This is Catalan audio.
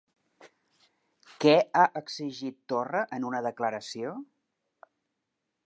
Què ha exigit Torra en una declaració?